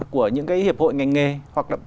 của những cái hiệp hội ngành nghề hoặc là